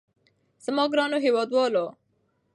زما ګرانو هېوادوالو.